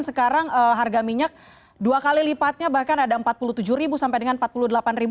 sekarang harga minyak dua kali lipatnya bahkan ada rp empat puluh tujuh sampai dengan rp empat puluh delapan